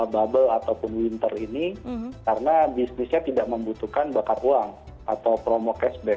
bubble ataupun winter ini karena bisnisnya tidak membutuhkan bakar uang atau promo cashback